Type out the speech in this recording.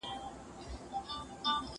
دا د مقاومت معنا هم لري.